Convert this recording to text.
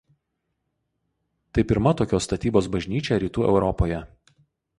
Tai pirma tokios statybos bažnyčia Rytų Europoje.